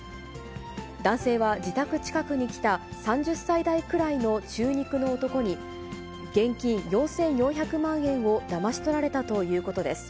男性は自宅近くに来た３０歳代くらいの中肉の男に、現金４４００万円をだまし取られたということです。